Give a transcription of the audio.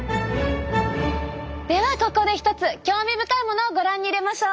ではここでひとつ興味深いものをご覧に入れましょう。